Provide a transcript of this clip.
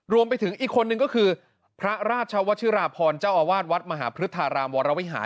รวมไปถึงอีกคนนึงก็คือพระราชวชิราพรเจ้าอาวาสวัดมหาพฤทธารามวรวิหาร